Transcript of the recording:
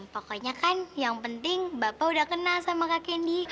pokoknya kan yang penting bapak udah kenal sama kak kendi